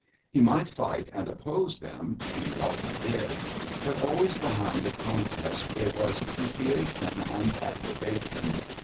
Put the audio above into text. He might fight and oppose them (he often did), but always behind the contest there was appreciation and approbation.